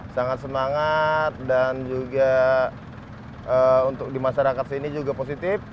sangat semangat dan juga untuk di masyarakat sini juga positif